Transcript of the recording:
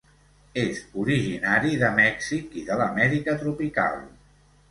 És originari de Mèxic i de l'Amèrica tropical.